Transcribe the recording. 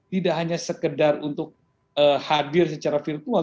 tidak hanya sekedar untuk hadir secara virtual